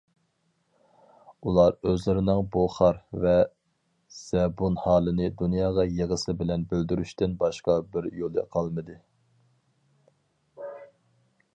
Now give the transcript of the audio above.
ئۇلار ئۆزلىرىنىڭ بۇ خار ۋە زەبۇن ھالىنى دۇنياغا يىغىسى بىلەن بىلدۈرۈشتىن باشقا بىر يولى قالمىدى.